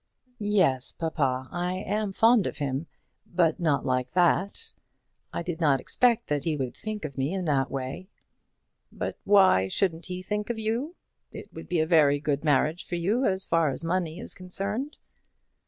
"Yes, papa; I am fond of him; but not like that. I did not expect that he would think of me in that way." "But why shouldn't he think of you? It would be a very good marriage for you, as far as money is concerned."